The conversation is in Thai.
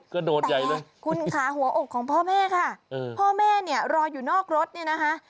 กระโดดใหญ่เลยคุณค่ะหัวอกของพ่อแม่ค่ะพ่อแม่เนี่ยรออยู่นอกรถเนี่ยนะคะ